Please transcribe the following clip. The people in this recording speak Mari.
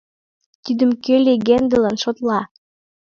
Тидым кӧ легендылан шотла